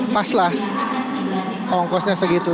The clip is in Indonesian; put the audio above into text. pas lah ongkosnya segitu